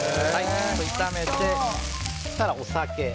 炒めて、そしたらお酒。